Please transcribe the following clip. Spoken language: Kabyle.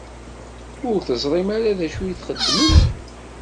Ur teẓrim ara d acu i txedmem.